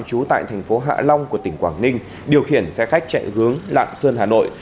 trú tại thành phố hạ long của tỉnh quảng ninh điều khiển xe khách chạy hướng lạng sơn hà nội